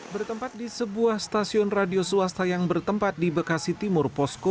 bertempat di sebuah stasiun radio swasta yang bertempat di bekasi timur posko